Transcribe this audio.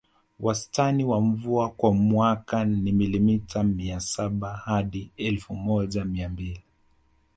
Wastani wa mvua kwa mwaka ni milimita mia saba hadi elfu moja mia mbili